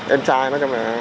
em sai nói cho mẹ